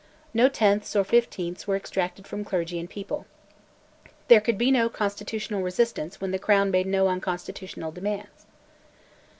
No "tenths" or "fifteenths" were exacted from clergy and people. There could be no "constitutional resistance" when the Crown made no unconstitutional demands.